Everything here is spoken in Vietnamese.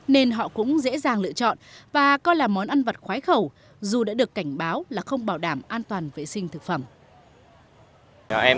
nên họ cũng dễ dàng lựa chọn và coi là món ăn vô cùng đáng